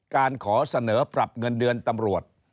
การขอเสนอปรับเงินเดือนตำรวจ